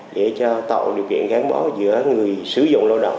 để cho tạo điều kiện gắn bó giữa người sử dụng lao động